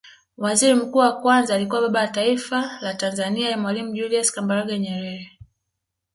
Waziri Mkuu wa Kwanza alikuwa Baba wa Taifa la Tanzania mwalimu Julius Kambarage Nyerere